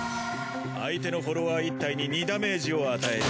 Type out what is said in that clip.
相手のフォロワー１体に２ダメージを与える。